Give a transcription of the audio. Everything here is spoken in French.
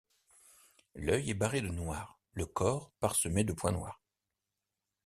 L'œil est barré de noir, le corps parsemé de points noirs.